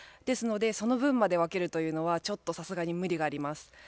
ですのでその分まで分けるというのはちょっとさすがに無理があります。